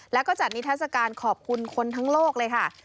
แล้วก็จัดนิทัศกาลขอบคุณคนทั้งโลกเลยค่ะ